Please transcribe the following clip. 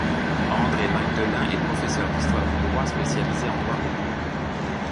André Magdelain est professeur d'histoire du droit, spécialisé en droit romain.